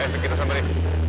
esok kita samberin